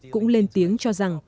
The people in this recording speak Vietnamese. cũng lên tiếng cho rằng